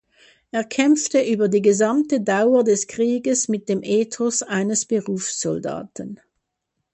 Er kämpfte über die gesamte Dauer des Krieges mit dem Ethos eines Berufssoldaten.